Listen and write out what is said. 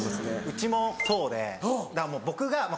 うちもそうで僕が。